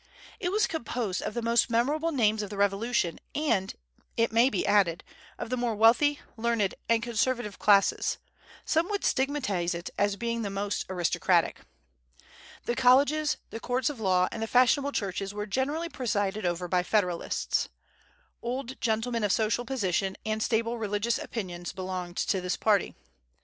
It was composed of the most memorable names of the Revolution and, it may be added, of the more wealthy, learned, and conservative classes: some would stigmatize it as being the most aristocratic. The colleges, the courts of law, and the fashionable churches were generally presided over by Federalists. Old gentlemen of social position and stable religious opinions belonged to this party.